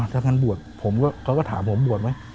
ถ้างั้นบวชผมก็ถามผมบวชไหม